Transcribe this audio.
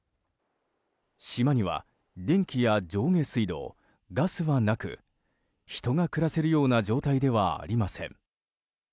島には電気や上下水道、ガスはなく人が暮らせるような状態ではありません。